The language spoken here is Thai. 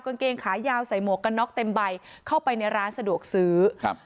กางเกงขายาวใส่หมวกกันน็อกเต็มใบเข้าไปในร้านสะดวกซื้อครับ